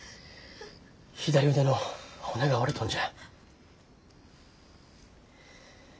左腕の骨が折れとんじゃ。